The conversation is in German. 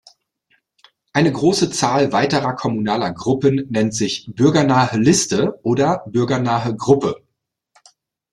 Eine große Zahl weiterer kommunaler Gruppen nennt sich „bürgernahe Liste“ oder „bürgernahe Gruppe“.